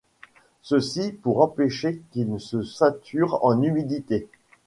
Ceci pour empêcher qu'ils se saturent en humidité.